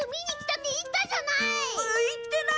言ってない！